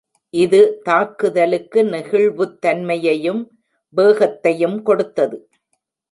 இது தாக்குதலுக்கு நெகிழ்வுத்தன்மையையும் வேகத்தையும் கொடுத்தது.